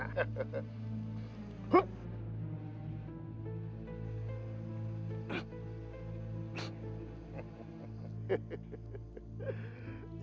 kau akan mendapatkannya